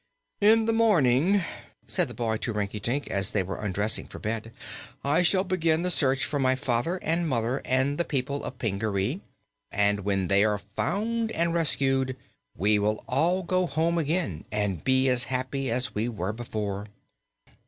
"In the morning," said the boy to Rinkitink, as he was undressing for bed, "I shall begin the search for my father and mother and the people of Pingaree. And, when they are found and rescued, we will all go home again, and be as happy as we were before."